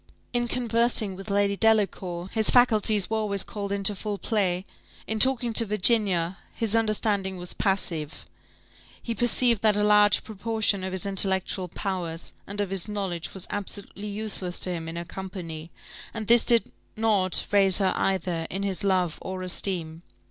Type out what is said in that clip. In conversing with Lady Delacour, his faculties were always called into full play; in talking to Virginia, his understanding was passive: he perceived that a large proportion of his intellectual powers, and of his knowledge, was absolutely useless to him in her company; and this did not raise her either in his love or esteem.